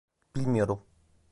Bilmiyorum!